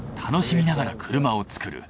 楽しみながら車を造る。